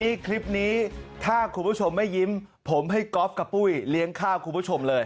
นี่คลิปนี้ถ้าคุณผู้ชมไม่ยิ้มผมให้ก๊อฟกับปุ้ยเลี้ยงข้าวคุณผู้ชมเลย